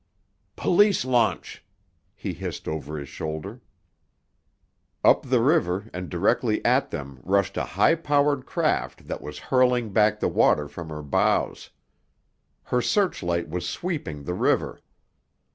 "Police launch!" he hissed over his shoulder. Up the river and directly at them rushed a high powered craft that was hurling back the water from her bows. Her searchlight was sweeping the river.